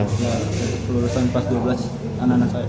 ya kelulusan pas dua belas anak anak saya